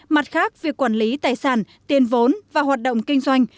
mặt khác việc quản lý tài sản tiền vốn và hoạt động kinh doanh